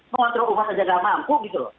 mengontrol umatnya tidak mampu